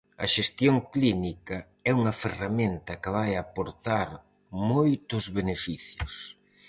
A xestión clínica é unha ferramenta que vai aportar moitos beneficios.